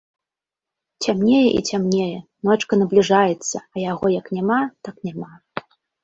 Цямнее і цямнее, ночка набліжаецца, а яго як няма, так няма!